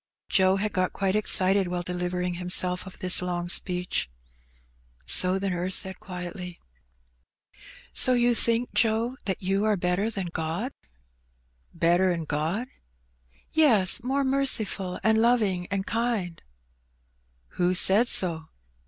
'^ Joe had got quite excited while dehvering himself of this long speech. So the nurse said quietly, — 128 Heb Benny. (C €€ So you think^ Joe^ that you are better than Gk)d/^ "Better ^n God?^^ "Yes; more merciful, and loving, and kind/* *^ Who said so